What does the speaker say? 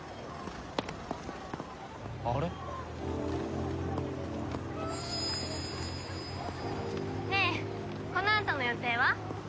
あれっ？ねえこのあとの予定は？